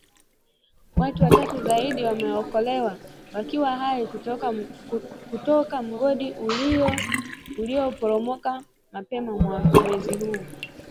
Watu watatu zaidi wameokolewa wakiwa hai kutoka mgodi ulio poromoka mapema mwezi huu